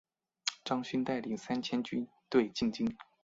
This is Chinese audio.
张勋带领三千军队进京。